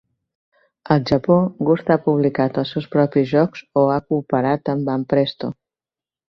Al Japó, Gust ha publicat els seus propis jocs o ha cooperat amb Banpresto.